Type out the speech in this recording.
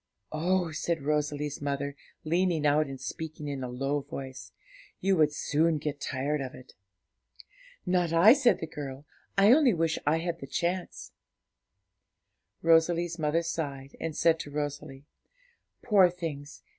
'Oh,' said Rosalie's mother, leaning out and speaking in a low voice, 'you would soon get tired of it.' 'Not I,' said the girl; 'I only wish I had the chance.' Rosalie's mother sighed, and said to Rosalie, 'Poor things!